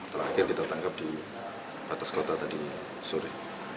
terakhir kita tangkap di batas kota tadi sore